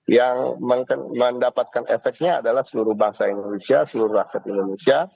yang mendapatkan efeknya adalah seluruh bangsa indonesia seluruh rakyat indonesia